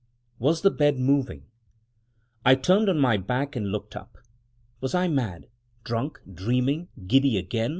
Was the bed moving? I turned on my back and looked up. Was I mad? drunk? dreaming? giddy again?